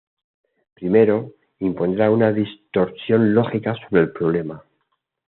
Primero, impondrá una distorsión lógica sobre el problema.